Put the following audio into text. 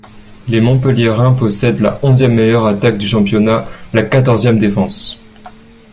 Les Montpelliérains possèdent la onzième meilleure attaque du championnat, la quatorzième défense.